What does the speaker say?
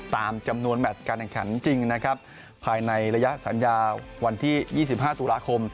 ตามจำนวนแมทการแข่งขันจริงนะครับภายในระยะสัญญาวันที่๒๕ตุลาคม